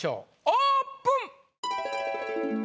オープン！